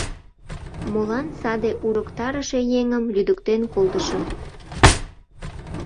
Молан саде урыктарыше еҥым лӱдыктен колтышым?